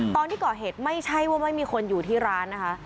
ตอนที่ก่อเหตุไม่ใช่ว่าไม่มีคนอยู่ที่ร้านนะคะ